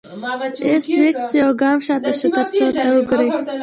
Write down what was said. ایس میکس یو ګام شاته شو ترڅو ورته وګوري